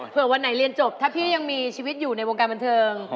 เพื่อวันไหนเรียนจบถ้าพี่ยังมีชีวิตอยู่ในวงการบันเทิง